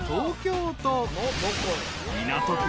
［港区。